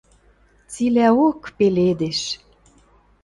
Цилӓок пеледеш.